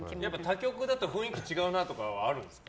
他局だと雰囲気が違うなとかはあるんですか？